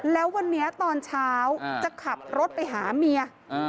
แล้ววันนี้ตอนเช้าจะขับรถไปหาเมีย